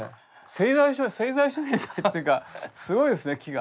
製材所製材所みたいというかすごいですね木が。